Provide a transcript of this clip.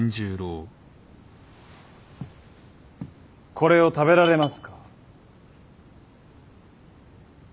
これを食べられますか？